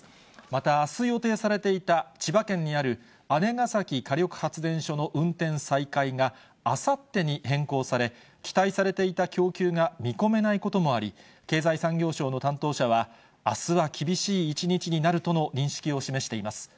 またあす予定されていた千葉県にある姉崎火力発電所の運転再開が、あさってに変更され、期待されていた供給が見込めないこともあり、経済産業省の担当者は、あすは厳しい一日になるとの認識を示しています。